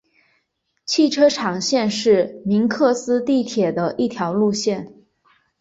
汽车厂线是明斯克地铁的一条路线。